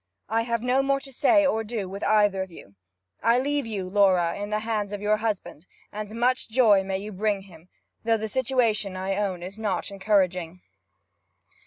I have no more to say or do with either of you. I leave you, Laura, in the hands of your husband, and much joy may you bring him; though the situation, I own, is not encouraging.'